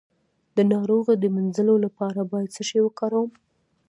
د ناروغۍ د مینځلو لپاره باید څه شی وکاروم؟